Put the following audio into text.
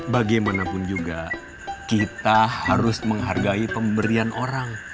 bagaimanapun juga kita harus menghargai pemberian orang